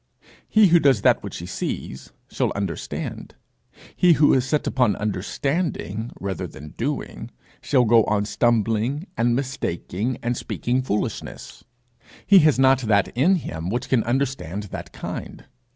He who does that which he sees, shall understand; he who is set upon understanding rather than doing, shall go on stumbling and mistaking and speaking foolishness. He has not that in him which can understand that kind.